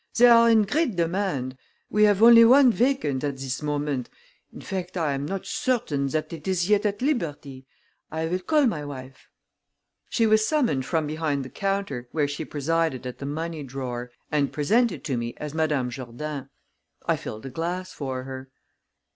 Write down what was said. They are in great demand we have only one vacant at this moment in fact, I am not certain that it is yet at liberty. I will call my wife." She was summoned from behind the counter, where she presided at the money drawer, and presented to me as Madame Jourdain. I filled a glass for her.